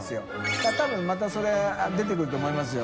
進またそれ出てくると思いますよ。